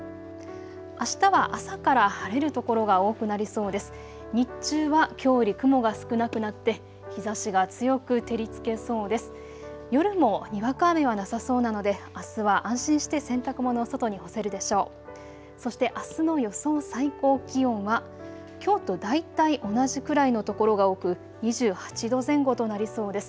あしたは朝から晴れる所が多くなりそうです。